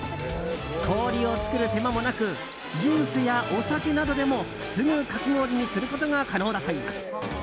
氷を作る手間もなくジュースやお酒などでもすぐ、かき氷にすることが可能だといいます。